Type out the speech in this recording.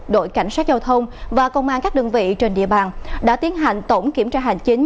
đội cảnh sát giao thông và công an các đơn vị trên địa bàn đã tiến hành tổng kiểm tra hành chính